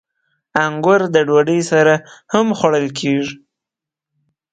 • انګور د ډوډۍ سره هم خوړل کېږي.